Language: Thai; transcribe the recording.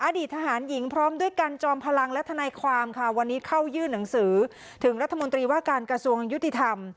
อดีตทหารหญิงพร้อมด้วยกันจอมพลังและทนายความค่ะวันนี้เข้ายื่นหนังสือถึงรัฐมนตรีว่าการกระทรวงยุติธรรม